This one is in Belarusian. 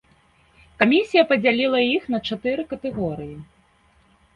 Камісія падзяліла іх на чатыры катэгорыі.